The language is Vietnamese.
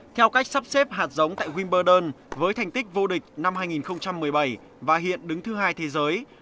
theo cách sắp xếp hạt giống tại winburdern với thành tích vô địch năm hai nghìn một mươi bảy và hiện đứng thứ hai thế giới